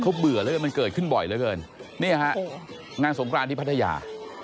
เขาเบื่อเลยเกิดขึ้นบ่อยเลยเยินนี่อ่ะหน้าสงครานที่พัทยา